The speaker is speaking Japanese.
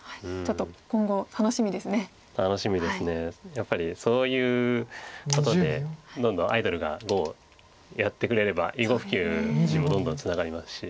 やっぱりそういうことでどんどんアイドルが碁をやってくれれば囲碁普及にもどんどんつながりますし。